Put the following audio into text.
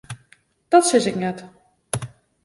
Dat sis ik net.